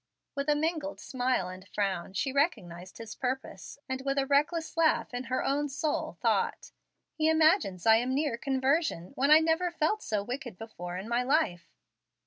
With a mingled smile and frown, she recognized his purpose, and with a reckless laugh in her own soul, thought; "He imagines I am near conversion, when I never felt so wicked before in my life."